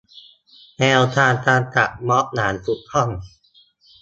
แนวทางการจัดม็อบอย่างถูกต้อง